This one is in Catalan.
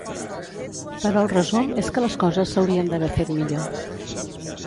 Però el resum és que les coses s’haurien d’haver fet millor.